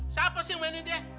siapa sih yang mainin dia